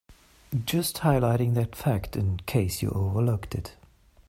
Just highlighting that fact in case you overlooked it.